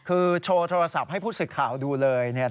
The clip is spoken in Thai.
คือโชว์โทรศัพท์ให้ผู้สื่อข่าวดูเลย